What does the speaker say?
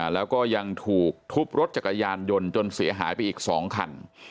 แล้วก็ยังถูกทุบรถจักรยานยนต์จนเสียหายไปอีก๒คัน